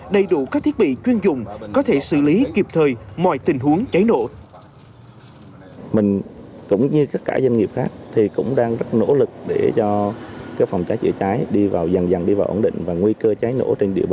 đầy đủ các thiết bị chuyên dụng có thể xử lý kịp thời mọi tình huống cháy nổ